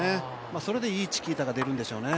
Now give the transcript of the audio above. それでいいチキータが出るんでしょうね。